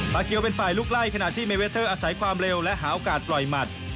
เกียวเป็นฝ่ายลุกไล่ขณะที่เมเวเทอร์อาศัยความเร็วและหาโอกาสปล่อยหมัด